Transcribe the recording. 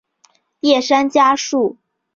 叶山嘉树。